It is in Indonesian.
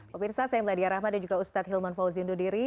pemirsa saya meladia rahmat dan juga ustadz hilman fauzi undodiri